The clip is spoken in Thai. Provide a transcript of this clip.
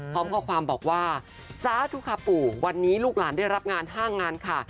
พร้อมข้อความบอกว่าสาธุคาปู่วันนี้ลูกหลานได้รับงาน๕งานค่ะ